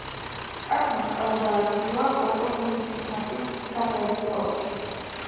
კარლმა სწავლა გააგრძელა ოტო ფონ ბისმარკის სახელობის სკოლაში.